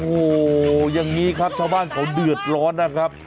โอ้โหอย่างนี้ครับชาวบ้านเขาเดือดร้อนนะครับ